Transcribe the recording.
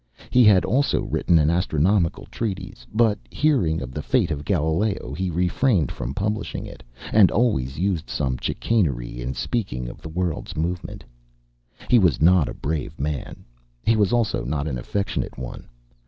He had also written an astronomical treatise; but hearing of the fate of Galileo he refrained from publishing, and always used some chicanery in speaking of the world's movement. He was not a brave man; he was also not an affectionate one.